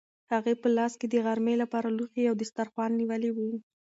هغې په لاس کې د غرمې لپاره لوښي او دسترخوان نیولي وو.